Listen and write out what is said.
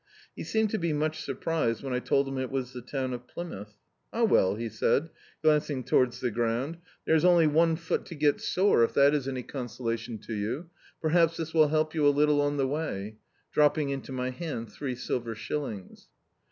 He seemed to be much surprised when I told him it was the town of Plymouth. "Ah, well," he said, glancing towards the ground, "there is only one foot to get sore, if that is any D,i.,.db, Google On Tramp Again consolation to you; perhaps this will help you a little on the way," dropping into my hand three silver shillings.